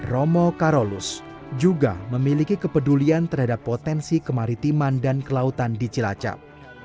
romo karolus juga memiliki kepedulian terhadap potensi kemaritiman dan kelautan di cilacap